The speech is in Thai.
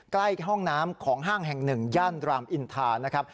ใกล้ห้องน้ำของห้างแห่งหนึ่งย่านรามอินทานะครับ